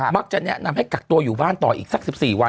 จะแนะนำให้กักตัวอยู่บ้านต่ออีกสัก๑๔วัน